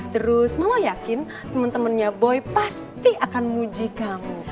terus mamah yakin temen temennya boy pasti akan muji kamu